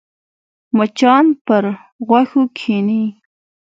مچان پر غوښو کښېني